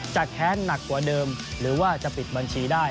แค้นหนักกว่าเดิมหรือว่าจะปิดบัญชีได้